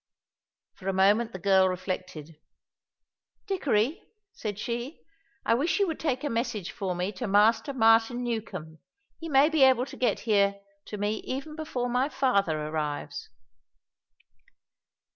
For a moment the girl reflected. "Dickory," said she, "I wish you would take a message for me to Master Martin Newcombe. He may be able to get here to me even before my father arrives."